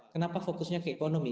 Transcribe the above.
kenapa fokusnya ke ekonomi